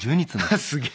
すげえ。